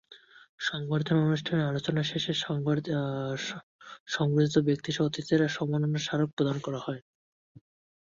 সংবর্ধনা অনুষ্ঠানে আলোচনা শেষে সংবর্ধিত ব্যক্তিসহ অতিথিদের সম্মাননা স্মারক প্রদান করা হয়।